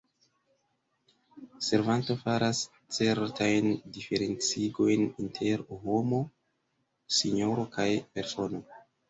Servanto faras certajn diferencigojn inter « homo »,« sinjoro » kaj « persono ».